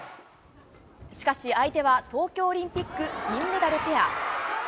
しかし、相手は東京オリンピック銀メダルペア。